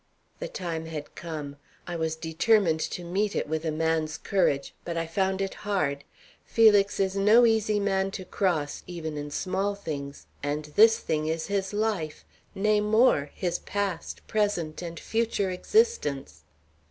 The time had come. I was determined to meet it with a man's courage. But I found it hard. Felix is no easy man to cross, even in small things, and this thing is his life, nay, more his past, present, and future existence.